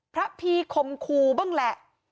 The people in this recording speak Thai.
พระพีคมคูบ้างแหละ